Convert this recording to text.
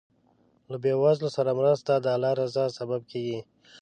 له بېوزلو سره مرسته د الله د رضا سبب کېږي.